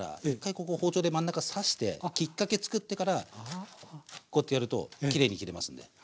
ここ包丁で真ん中刺してきっかけ作ってからこうやってやるときれいに切れますんで。